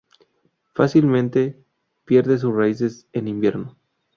Fácilmente pierde sus raíces en invierno.